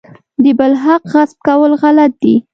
د بل د حق غصب کول غلط دي.